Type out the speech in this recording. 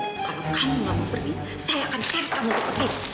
kalau kamu gak mau pergi saya akan cari kamu di pegi